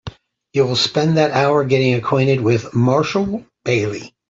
You will spend that hour getting acquainted with Marshall Bailey.